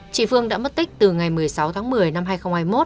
chị phương đã mất tích từ ngày một mươi sáu tháng một mươi năm hai nghìn hai mươi một